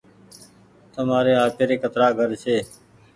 تمآري آپيري ڪترآ گهر ڇي۔